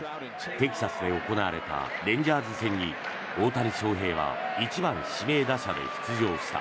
テキサスで行われたレンジャーズ戦に大谷翔平は１番指名打者で出場した。